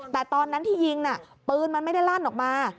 แต่ตอนนั้นที่ยิงน่ะปืนมันไม่ได้ลั่นออกมา